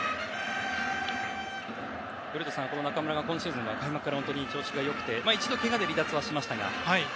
古田さん、中村は今シーズン開幕から非常に調子が良くて、一度けがで離脱はしましたが。